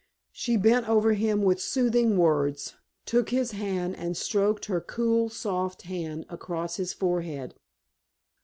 She bent over him with soothing words, took his hand, and stroked her cool, soft hand across his forehead.